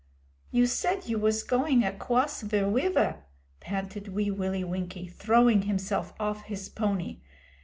'You said you was going acwoss ve wiver,' panted Wee Willie Winkie, throwing himself off his pony.